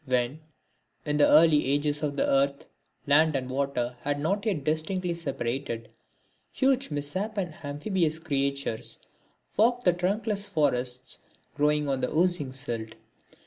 When, in the early ages of the Earth, land and water had not yet distinctly separated, huge misshapen amphibious creatures walked the trunk less forests growing on the oozing silt.